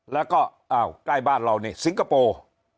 แล้วก็อ้าวใกล้บ้านเรานี่สิงคโปร์